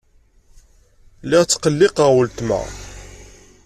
Lliɣ ttqelliqeɣ weltma.